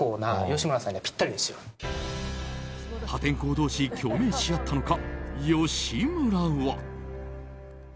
破天荒同士、共鳴し合ったのか吉村は。